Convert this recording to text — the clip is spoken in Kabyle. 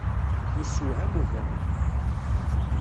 Yessewham ugama.